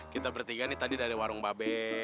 kita bertiga nih tadi dari warung babe